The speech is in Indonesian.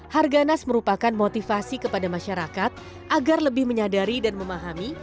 harganas merupakan motivasi kepada masyarakat agar lebih menyadari dan memahami